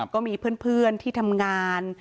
ก็มีเพื่อนที่ทำงาน